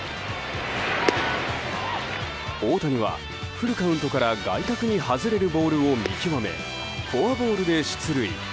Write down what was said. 大谷はフルカウントから外角に外れるボールを見極めフォアボールで出塁。